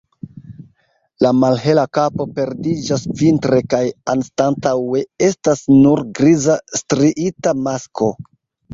La malhela kapo perdiĝas vintre kaj anstataŭe estas nur griza striita masko.